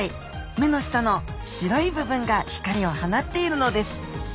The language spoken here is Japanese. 目の下の白い部分が光を放っているのです。